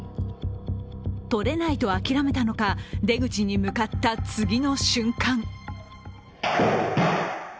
とれないと諦めたのか出口に向かった次の瞬間。